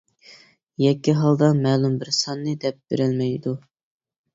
يەككە ھالدا مەلۇم بىر ساننى دەپ بېرەلمەيدۇ.